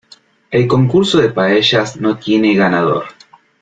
El concurso de paellas no tiene ganador.